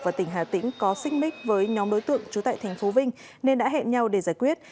và tỉnh hà tĩnh có xích mích với nhóm đối tượng trú tại tp vinh nên đã hẹn nhau để giải quyết